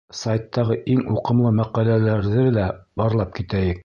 Сайттағы иң уҡымлы мәҡәләләрҙе лә барлап китәйек.